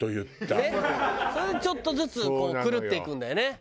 それでちょっとずつ狂っていくんだよね。